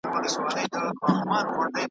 هم انارګل وي هم نوبهار وي .